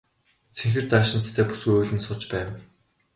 Цэнхэр даашинзтай бүсгүй уйлан сууж байв.